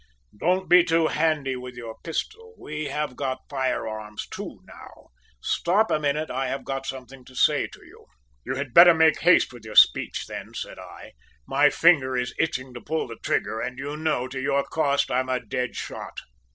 `Don't be too handy with your pistol. We have got firearms too, now. Stop a minute. I have got something to say to you.' "`You had better make haste with your speech, then,' said I. `My finger is itching to pull the trigger, and you know, to your cost, I'm a dead shot!'